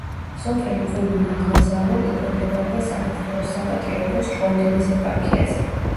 სოფელი ქვემო ნაგვაზავო ექვემდებარება საქართველოს საპატრიარქოს ჭყონდიდის ეპარქიას.